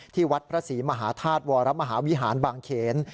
วัดพระศรีมหาธาตุวรมหาวิหารบางเขน